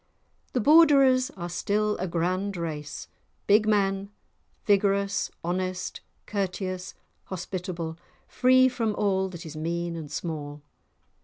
The Borderers are still a grand race; big men, vigorous, honest, courteous, hospitable, free from all that is mean and small.